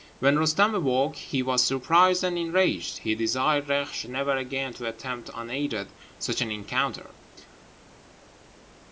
When Roostem awoke, he was surprised and enraged. He desired Reksh never again to attempt, unaided, such an encounter.